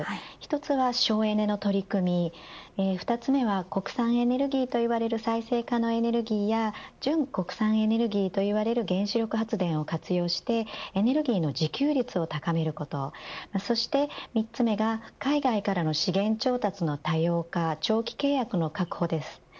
１つは省エネの取り組み２つ目は国産エネルギーといわれる再生可能エネルギーや準国産エネルギーといわれる原子力発電を活用してエネルギーの自給率を高めることそして３つ目が海外からの資源調達の多様化長期契約の確保です。